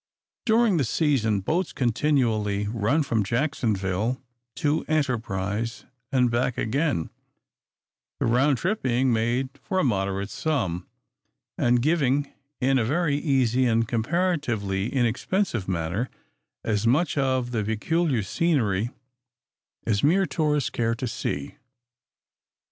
During the "season," boats continually run from Jacksonville to Enterprise, and back again; the round trip being made for a moderate sum, and giving, in a very easy and comparatively inexpensive manner, as much of the peculiar scenery as mere tourists care to see.